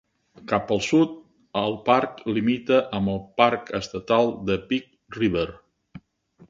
Cap al sud, el parc limita amb el parc estatal de Big River.